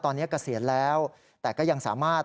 ตอนนี้เกษียณแล้วแต่ก็ยังสามารถ